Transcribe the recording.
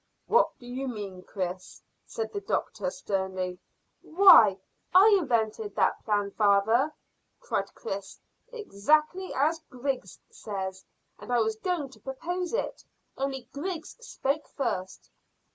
"What do you mean, Chris?" said the doctor sternly. "Why, I invented that plan, father," cried Chris, "exactly as Griggs says; and I was going to propose it, only Griggs spoke first."